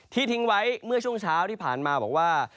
ทิ้งไว้เมื่อช่วงเช้าที่ผ่านมาบอกว่า